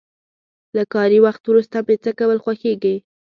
له کاري وخت وروسته مې څه کول خوښيږي؟